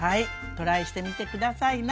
トライしてみて下さいな。